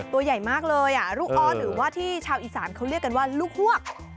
ตัวใหญ่มากเลยลูกออสหรือว่าที่ชาวอีสานเขาเรียกกันว่าลูกฮวก